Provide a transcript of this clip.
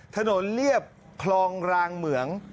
ถนนเรียบคลองรางเหมือง